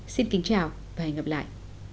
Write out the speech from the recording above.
xin kính chào và hẹn gặp lại